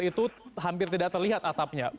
itu hampir tidak terlihat atapnya